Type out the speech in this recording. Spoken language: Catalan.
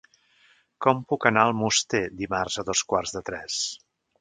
Com puc anar a Almoster dimarts a dos quarts de tres?